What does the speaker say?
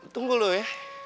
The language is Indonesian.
tunggu dulu ya